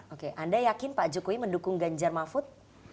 oke anda yakin pak jokowi mendukung ganjar mahfud